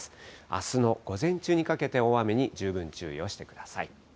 あすの午前中にかけて、大雨に十分注意をしてください。